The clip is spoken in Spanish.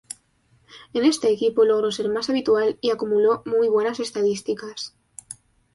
En este equipo logró ser más habitual y acumuló muy buenas estadísticas.